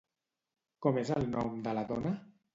Com és el nom de la dona?